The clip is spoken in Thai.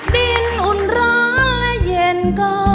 เธอจะรักมาก๘๙๙๐๐๖